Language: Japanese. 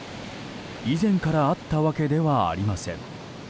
以前からあったわけではありません。